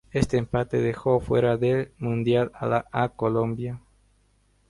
Este empate dejó fuera del mundial a Colombia.